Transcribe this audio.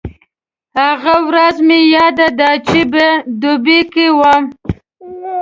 هغه ورځ مې یاده ده چې په دوبۍ کې وم.